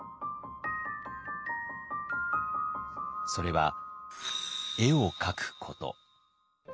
それは絵を描くこと。